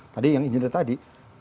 tadi yang engineer tadi